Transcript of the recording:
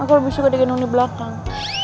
aku lebih suka digendong di belakang